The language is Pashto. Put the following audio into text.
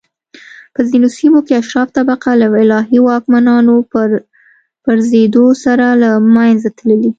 په ځینو سیمو کې اشراف طبقه له الهي واکمنانو پرځېدو سره له منځه تللي